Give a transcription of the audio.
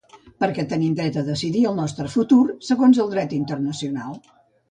Perquè tenim dret a decidir el nostre futur segons el dret internacional